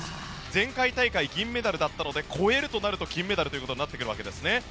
前回大会、銀メダルだったので超えるとなると金メダルということになってくるわけですね。